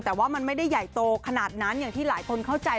แต่ว่ามันไม่ได้ใหญ่โตขนาดนั้นอย่างที่หลายคนเข้าใจ